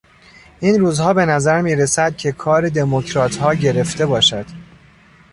این روزها به نظر میرسد که کار دمکراتها گرفته باشد.